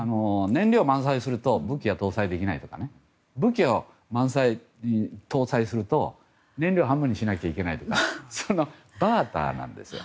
燃料を満載すると武器が搭載できないとか武器を搭載すると燃料半分にしないといけないとかそのバーターなんですよ。